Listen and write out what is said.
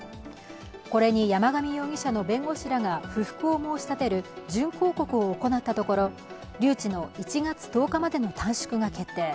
これに山上容疑者の弁護士らが不服を申し立てる準抗告を行ったところ留置の１月１０日までの短縮が決定。